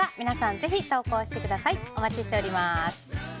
ぜひ投稿してください。